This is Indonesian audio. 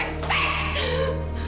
ini pasti salah